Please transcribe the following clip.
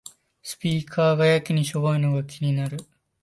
スピーカーがやけにしょぼいのが気になる